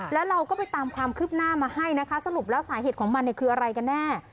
แล้วเราก็ไปตามความคืบหน้ามาให้นะคะสรุปแล้วสาเหตุของมันเนี่ยคืออะไรกันแน่